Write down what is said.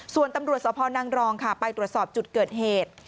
ส่วนตำรวจสพนังรองค่ะไปตรวจสอบจุดเกิดเหตุ